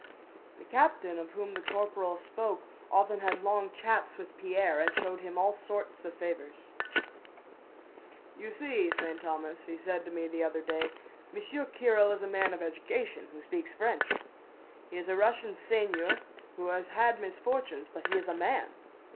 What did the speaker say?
(The captain of whom the corporal spoke often had long chats with Pierre and showed him all sorts of favors.) "'You see, St. Thomas,' he said to me the other day. 'Monsieur Kiril is a man of education, who speaks French. He is a Russian seigneur who has had misfortunes, but he is a man.